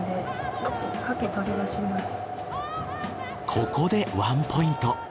ここでワンポイント。